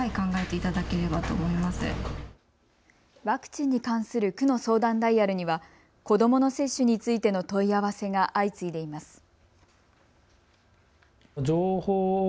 ワクチンに関する区の相談ダイヤルには子どもの接種についての問い合わせが相次いでいます。